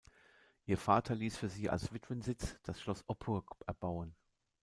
Ihr Vater ließ für sie als Witwensitz das Schloss Oppurg erbauen.